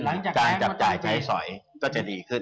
เวียดนามจ่ายใช้สอยก็จะดีขึ้น